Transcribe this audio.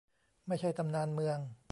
ไม่ใช่ตำนานเมือง